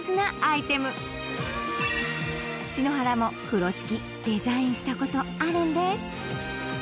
アイテム篠原も風呂敷デザインしたことあるんです